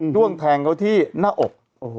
้วงแทงเขาที่หน้าอก